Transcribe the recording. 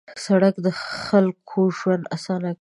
سړک د خلکو ژوند اسانه کوي.